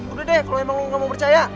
udah deh kalo emang lu ga mau percaya